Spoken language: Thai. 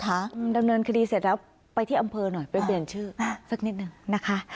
ดำเนินคดีเสร็จแล้วไปที่อำเภอหน่อยไปเปลี่ยนชื่อสักนิดหนึ่งนะคะ